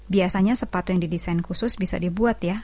biasanya sepatu yang didesain khusus bisa dibuat ya